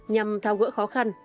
nhằm thao gỡ khó khăn